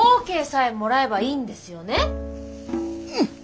うん。